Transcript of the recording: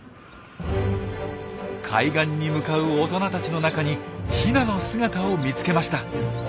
海岸に向かう大人たちの中にヒナの姿を見つけました。